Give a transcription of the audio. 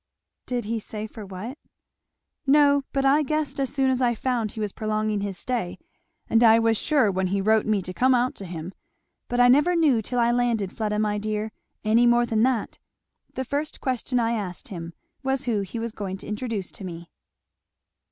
"Did he say for what?" "No, but I guessed as soon as I found he was prolonging his stay, and I was sure when he wrote me to come out to him. But I never knew till I landed, Fleda my dear, any more than that. The first question I asked him was who he was going to introduce to me."